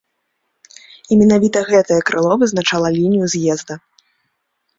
І менавіта гэтае крыло вызначала лінію з'езда.